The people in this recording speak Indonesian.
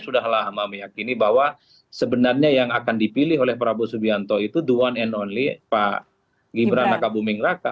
sudah lama meyakini bahwa sebenarnya yang akan dipilih oleh prabowo subianto itu the one and only pak gibran raka buming raka